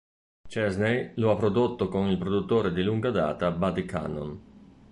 Chesney lo ha prodotto con il produttore di lunga data Buddy Cannon.